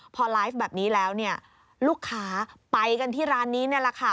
พอไลฟ์แบบนี้แล้วเนี่ยลูกค้าไปกันที่ร้านนี้นี่แหละค่ะ